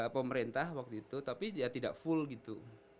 pemerintah waktu itu tapi ya tidak full gitu